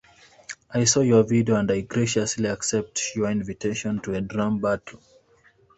I saw your video and I graciously accept your invitation to a drum battle.